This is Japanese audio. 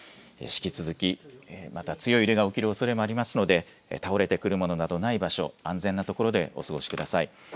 引き続きまた強い揺れが起きるおそれもありますので倒れてくるものなどない場所、安全な所でお過ごしください。